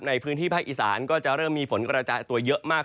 ในพื้นที่ภาคอีสานก็จะเริ่มมีฝนกระจายตัวเยอะมาก